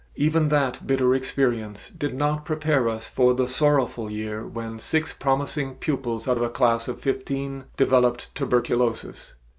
Even that bitter experience did not prepare us for the sorrowful year when six promising pupils out of a class of fifteen, developed tuberculosis.